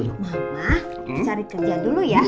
mama cari kerja dulu ya